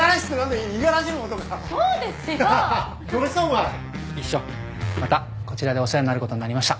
技師長またこちらでお世話になることになりました。